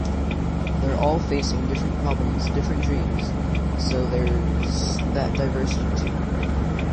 They're all facing different problems different dreams, so there's that diversity too.